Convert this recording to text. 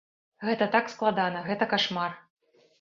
Гэта так складана, гэта кашмар!